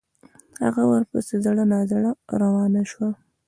هغه ورپسې زړه نا زړه روانه شوه.